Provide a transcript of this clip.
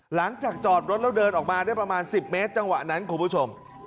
หลังจากจอดรถแล้วเดินออกมาได้ประมาณ๑๐เมตรจังหวะนั้นคุณผู้ชม